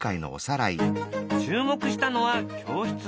注目したのは教室のドア。